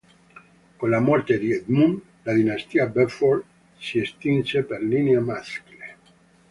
Con la morte di Edmund la dinastia Beaufort si estinse per linea maschile.